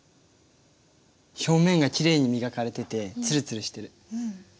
表面がきれいに磨かれててつるつるしてる。